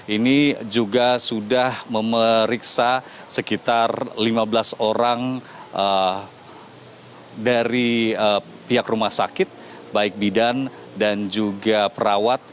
ini juga sudah memeriksa sekitar lima belas orang dari pihak rumah sakit baik bidan dan juga perawat